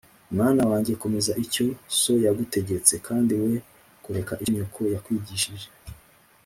mwana wanjye, komeza icyo so yagutegetse, kandi we kureka icyo nyoko yakwigishije